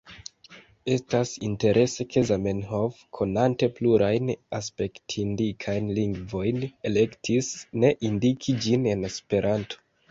Estas interese ke Zamenhof, konante plurajn aspektindikajn lingvojn, elektis ne indiki ĝin en Esperanto.